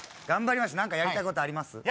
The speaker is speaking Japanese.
頑張りましょう何かやりたいことあります？